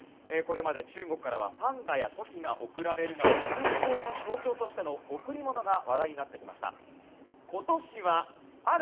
これまで中国からはパンダやトキが贈られるなど友好の象徴としての贈り物が話題になってきました。